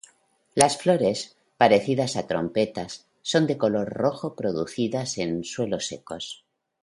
Las flores, parecidas a trompetas, son de color rojo producidas en suelos secos.